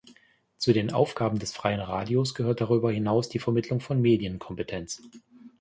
Zu den Aufgaben des Freien Radios gehört darüber hinaus die Vermittlung von Medienkompetenz.